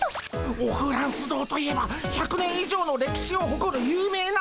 オフランス堂といえば１００年以上の歴史をほこる有名なお店。